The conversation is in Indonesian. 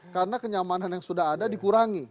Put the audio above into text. karena kenyamanan yang sudah ada dikurangi